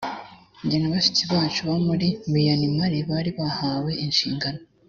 nge na bashiki bacu bo muri miyanimari bari bahawe inshingano